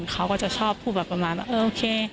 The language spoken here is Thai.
เขาก็จะชอบพูดแบบประมาณว่าเออโอเค